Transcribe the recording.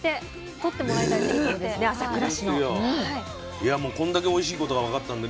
いやもうこんだけおいしいことが分かったんでね